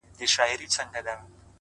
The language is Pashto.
o دا ستا ښكلا ته شعر ليكم؛